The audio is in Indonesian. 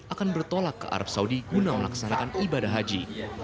akan bertolak ke arab saudi guna melaksanakan ibadah haji